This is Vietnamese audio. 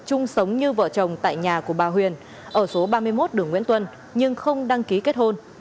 chung sống như vợ chồng tại nhà của bà huyền ở số ba mươi một đường nguyễn tuân nhưng không đăng ký kết hôn